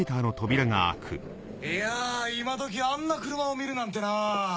いや今どきあんな車を見るなんてなぁ。